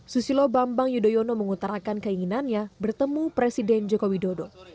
susilo bambang yudhoyono mengutarakan keinginannya bertemu presiden jokowi dodo